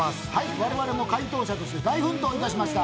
我々も解答者として大奮闘いたしました。